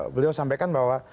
beliau sampaikan bahwa